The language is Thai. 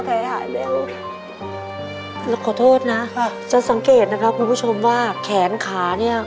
แผลหายเร็วแล้วขอโทษนะค่ะจะสังเกตนะครับคุณผู้ชมว่าแขนขาเนี้ย